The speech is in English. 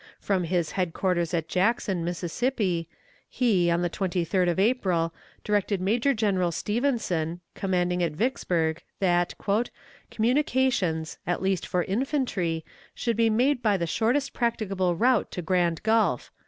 From his headquarters at Jackson, Mississippi, he, on the 23d of April, directed Major General Stevenson, commanding at Vicksburg, "that communications, at least for infantry, should be made by the shortest practicable route to Grand Gulf.